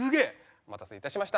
お待たせいたしました。